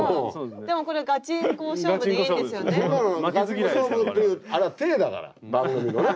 そんなのガチンコ勝負っていうあれは体だから番組のね。